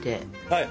はい！